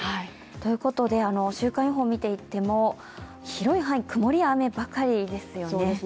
ということで週間予報を見ていっても広い範囲、曇り、雨ばかりですよね。